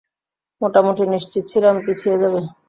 মোটামুটি নিশ্চিত ছিলাম পিছিয়ে যাবে।